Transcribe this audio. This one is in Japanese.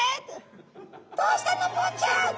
「どうしたの？ボウちゃん」って。